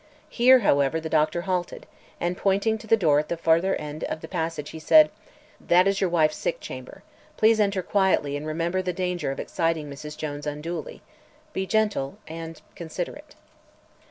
Here, however, the doctor halted, and pointing to the door at the further end of the passage he said: "That is your wife's sick chamber. Please enter quietly and remember the danger of exciting Mrs. Jones unduly. Be gentle, and considerate."